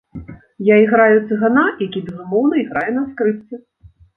Я іграю цыгана, які, безумоўна, іграе на скрыпцы.